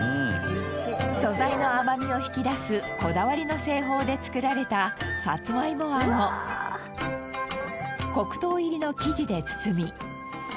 素材の甘みを引き出すこだわりの製法で作られたさつまいも餡を黒糖入りの生地で包み。